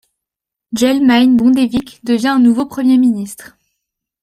Kjell Magne Bondevik devient à nouveau Premier Ministre.